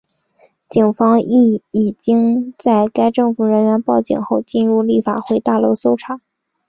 警方亦已经在该政府人员报警后进入立法会大楼搜查。